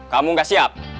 kamu nggak siap